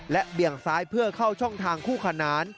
เบี่ยงซ้ายเพื่อเข้าช่องทางคู่ขนาน